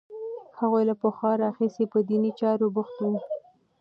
هغوی له پخوا راهیسې په دیني چارو بوخت وو.